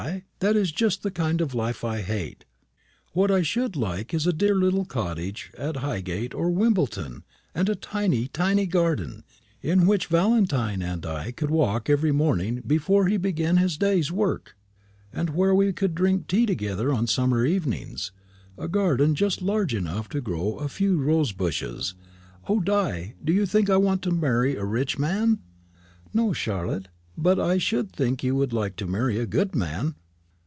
that is just the kind of life I hate. What I should like is a dear little cottage at Highgate or Wimbledon, and a tiny, tiny garden, in which Valentine and I could walk every morning before he began his day's work, and where we could drink tea together on summer evenings a garden just large enough to grow a few rose bushes. O. Di! do you think I want to marry a rich man?" "No, Charlotte; but I should think you would like to marry a good man."